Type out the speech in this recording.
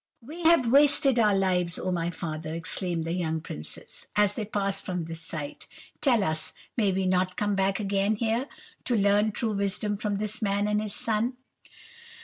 "'We have wasted our lives, oh my father!' exclaimed the young princes, as they passed from this sight. 'Tell us, may we not come back again here, to learn true wisdom from this man and his son?